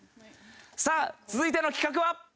さあ続いての企画は。